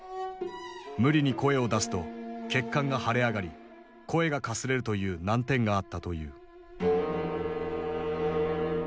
無理に声を出すと血管が腫れ上がり声がかすれるという難点があったという。